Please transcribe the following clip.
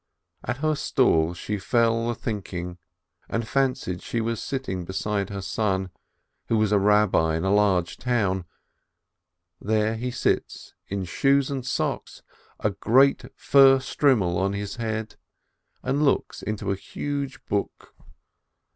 At her stall she fell athinking, and fancied she was sitting beside her son, who was a Rabbi in a large town; there he sits in shoes and socks, a great fur cap on his head, and looks into a huge book.